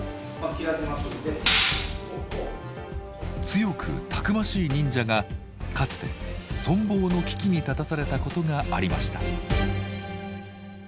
強くたくましい忍者がかつて存亡の危機に立たされたことがありました。